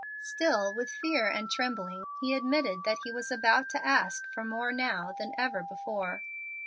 Still with fear and trembling he admitted that he was about to ask for more now than ever before.